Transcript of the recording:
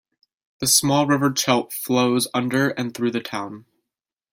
The small River Chelt flows under and through the town.